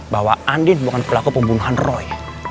bahwa andi bukan pelaku pembunuhan roy